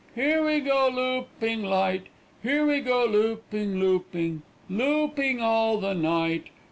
Here we go looping light. Here we go looping, looping. Looping all the night.